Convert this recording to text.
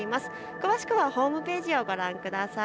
詳しくはホームページをご覧ください。